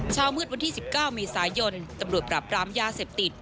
เช้ามืดวันที่๑๙เมษายนตำรวจปรับปรามยาเสพติด